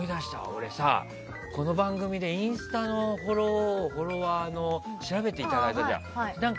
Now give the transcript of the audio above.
俺さ、この番組でインスタのフォロワー調べていただいたじゃん。